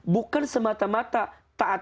bukan semata mata taatifat